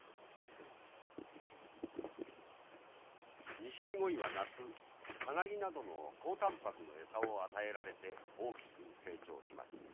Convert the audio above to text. ニシキゴイは夏サナギなどの高たんぱくの餌を与えられて大きく成長します。